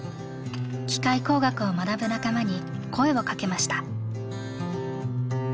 機械工学を学ぶ仲間に声をかけました。